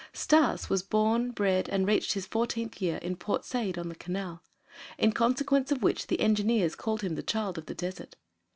Stas was born, bred, and reached his fourteenth year in Port Said on the Canal; in consequence of which the engineers called him the child of the desert.